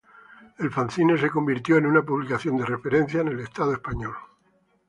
El fanzine se convirtió en una publicación de referencia en el estado español.